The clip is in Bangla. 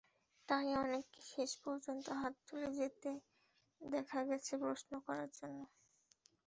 তাই অনেককে শেষ পর্যন্ত হাত তুলে যেতে দেখা গেছে প্রশ্ন করার জন্য।